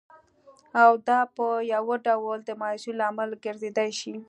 او دا په یوه ډول د مایوسۍ لامل ګرځېدای شي